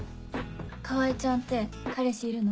川合ちゃんって彼氏いるの？